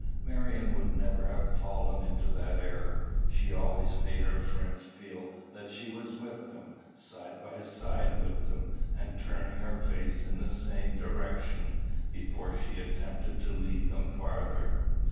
Marion would never have fallen into that error. She always made her friends feel that she was with them, side by side with them, and turning her face in the same direction, before she attempted to lead them farther.